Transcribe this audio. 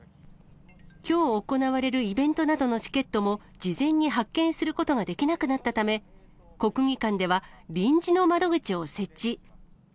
きょう行われるイベントなどのチケットも、事前に発券することができなくなったため、国技館では臨時の窓口を設置。